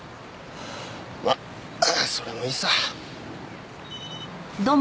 まそれもいいさ。